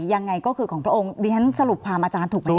ยังไงก็คือของพระองค์ดิฉันสรุปความอาจารย์ถูกไหมค